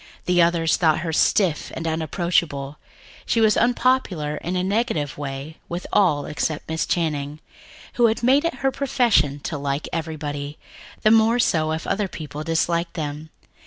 The others thought her stiff and unapproachable; she was unpopular in a negative way with all except Miss Channing, who made it a profession to like everybody, the more so if other people disliked them.